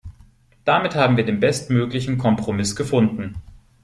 Damit haben wir den bestmöglichen Kompromiss gefunden.